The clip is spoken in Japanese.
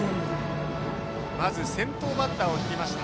まず先頭バッターをとりました。